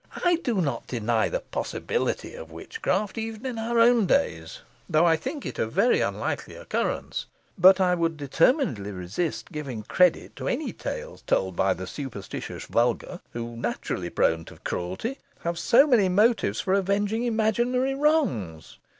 I do not deny the possibility of witchcraft, even in our own days, though I think it of very unlikely occurrence; but I would determinately resist giving credit to any tales told by the superstitious vulgar, who, naturally prone to cruelty, have so many motives for revenging imaginary wrongs.